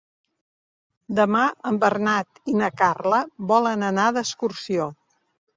Demà en Bernat i na Carla volen anar d'excursió.